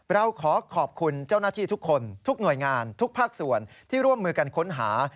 เราขอขอบคุณเจ้าหน้าที่ทุกคนทุกหน่วยงานทุกภาคส่วนที่ร่วมมือกันค้นหา